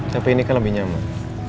tapi ini kan lebih nyaman